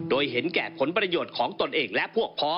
ก็ได้มีการอภิปรายในภาคของท่านประธานที่กรกครับ